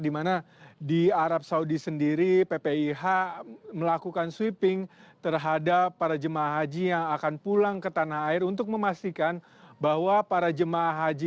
di mana di arab saudi sendiri ppih melakukan sweeping terhadap para jemaah haji yang akan pulang ke tanah air untuk memastikan bahwa para jemaah haji